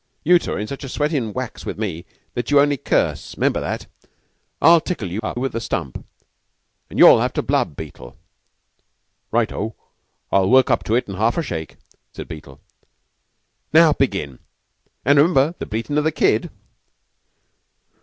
You two are in such a sweatin' wax with me that you only curse. 'Member that. I'll tickle you up with a stump. You'll have to blub, Beetle." "Right O! I'll work up to it in half a shake," said Beetle. "Now begin and remember the bleatin' o' the kid."